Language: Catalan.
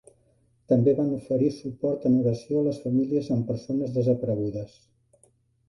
També van oferir suport en oració a les famílies amb persones desaparegudes.